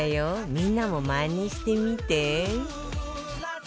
みんなもまねしてみて